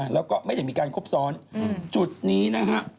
แล้วก็ไม่ได้มีการครบซ้อนจุดนี้นะฮะ